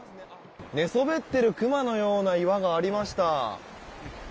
寝そべっているクマのような岩がありました。